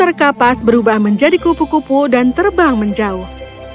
air kapas berubah menjadi kupu kupu dan terbang menjauh